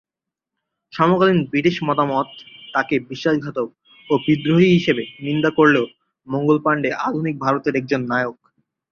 সমকালীন ব্রিটিশ মতামত তাকে বিশ্বাসঘাতক এবং বিদ্রোহী হিসাবে নিন্দা করলেও মঙ্গল পাণ্ডে আধুনিক ভারতের একজন নায়ক।